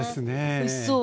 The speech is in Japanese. おいしそう。